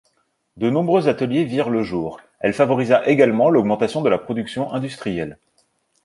De nombreux ateliers virent le jour, elle favorisa également l'augmentation de la production industrielle.